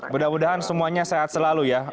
mudah mudahan semuanya sehat selalu ya